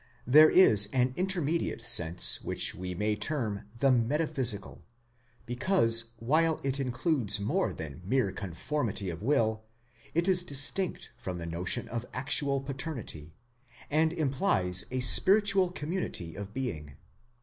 There is an.intermediate sense which we may term the metaphysical, because while it includes more than mere conformity of will, it is distinct from the notion of actual paternity, and implies a spiritual community of being.